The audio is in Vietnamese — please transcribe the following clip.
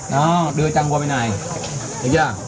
đó đưa chân qua bên này được chưa